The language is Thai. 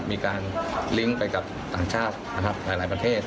มีการลิงก์ไปกับต่างชาตินะครับหลายประเทศ